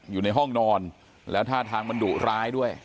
อยู่ในห้องนอนแล้วท่าทางมันดุร้ายด้วย